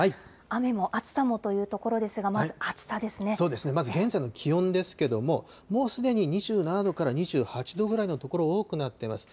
雨も暑さもというところですが、そうですね、まず現在の気温ですけども、もうすでに２７度から２８度ぐらいの所、多くなっています。